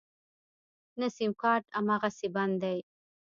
نه سيمکارټ امغسې بند دی.